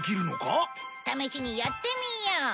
試しにやってみよう。